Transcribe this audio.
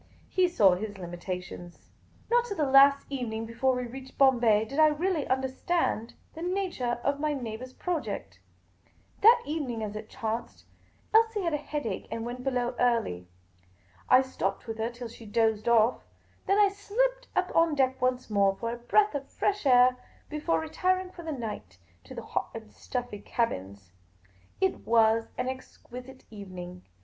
He saw his limitations. Not till the last evening before we reached Bombay did I really understand the nature of my neighbour's project. That evening, as it chanced, Elsie had a headache and went below early. I stopped with her till she dozed off ; then I slipped up on deck once more for a breath of fresh air, before retiring for the night to the hot and stuffy cabins. It was an exquisite evening.